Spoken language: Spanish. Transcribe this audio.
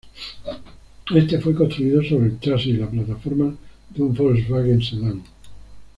Este fue construido sobre el chasis y plataforma de un Volkswagen Sedán.